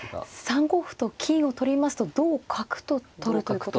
３五歩と金を取りますと同角と取るということですか。